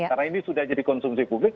karena ini sudah jadi konsumsi publik